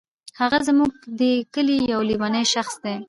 هغه زمونږ دي کلې یو لیونی شخص دی.